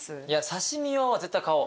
刺し身用は絶対買おう。